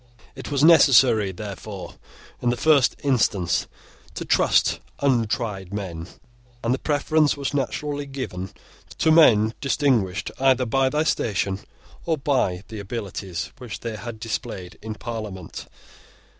It was necessary, therefore, in the first instance, to trust untried men; and the preference was naturally given to men distinguished either by their station, or by the abilities which they had displayed in Parliament.